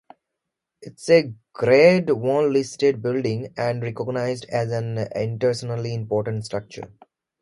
It is a Grade One listed building, and recognised as an internationally important structure.